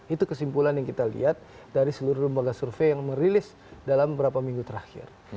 itu kesimpulan yang kita lihat dari seluruh lembaga survei yang merilis dalam beberapa minggu terakhir